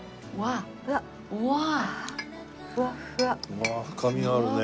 うわ深みがあるね。